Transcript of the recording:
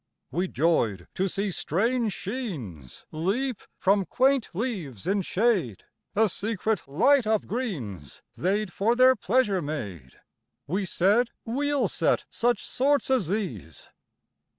We joyed to see strange sheens Leap from quaint leaves in shade; A secret light of greens They'd for their pleasure made. We said: "We'll set such sorts as these!"